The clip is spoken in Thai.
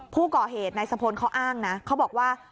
ผู้ก่อเหตุนายสะพลเขาอ้างนะเขาบอกว่า